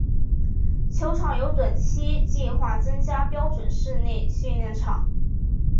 球场有短期计划增加标准室内训练场。